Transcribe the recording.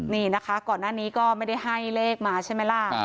นี่นะคะก่อนหน้านี้ก็ไม่ได้ให้เลขมาใช่ไหมล่ะ